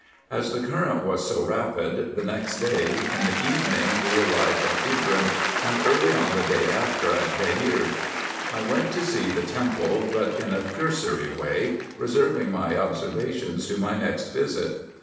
As the current was so rapid, the next day, in the evening, we arrived at Ibrim, and early on the day after at Deir. I went to see the temple, but in a cursory way, reserving my observations to my next visit.